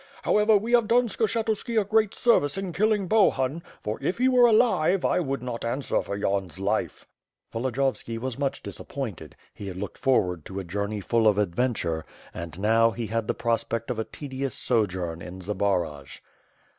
However, we have done Skshetuski a great ser vice in killing Bohun; for, if he were alive, I would not an swer for Yan's life.*' Volodiyovski was much disappointed, he had looked for ward to a journey full of adventure, and, now, he had the prospect of a tedious sojourn in Zbaraj.